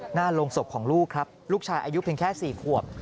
หน้าโรงศพของลูกครับลูกชายอายุเพียงแค่๔ขวบ